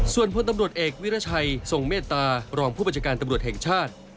ส่วนพลตำรวจเอกวิรัชัยทรงเมตตารองผู้บัญชาการตำรวจแห่งชาติ